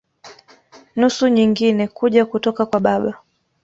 Nusu nyingine kuja kutoka kwa baba.